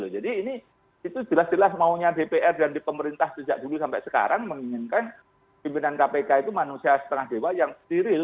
jadi ini itu jelas jelas maunya dpr dan di pemerintah sejak dulu sampai sekarang menginginkan pimpinan kpk itu manusia setengah dewa yang steril